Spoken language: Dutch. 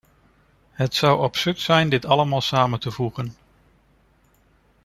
Het zou absurd zijn dit allemaal samen te voegen!